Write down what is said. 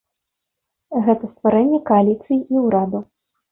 Гэта стварэнне кааліцыі і ўраду.